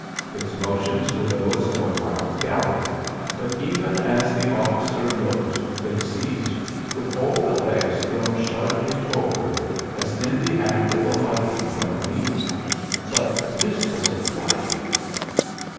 Its motions were those of a wild gallop, but even as the officer looked they ceased, with all the legs thrown sharply forward as in the act of alighting from a leap. But this was a flight!